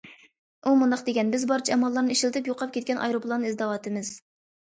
ئۇ مۇنداق دېگەن: بىز بارچە ئاماللارنى ئىشلىتىپ يوقاپ كەتكەن ئايروپىلاننى ئىزدەۋاتىمىز.